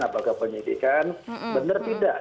apakah penyidikan benar tidak